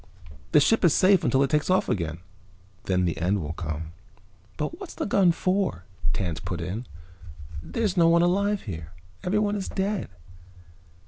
The ship is safe until it takes off again, then the end will come." "But what's this gun for?" Tance put in. "There's no one alive here. Everyone is dead."